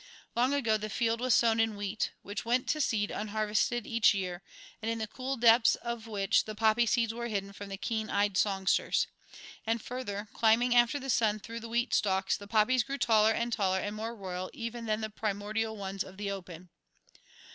Long ago the field was sown in wheat, which went to seed unharvested each year, and in the cool depths of which the poppy seeds were hidden from the keen eyed songsters. And further, climbing after the sun through the wheat stalks, the poppies grew taller and taller and more royal even than the primordial ones of the open.